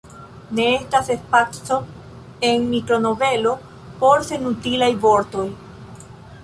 Ne estas spaco en mikronovelo por senutilaj vortoj.